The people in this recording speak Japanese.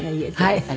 はい。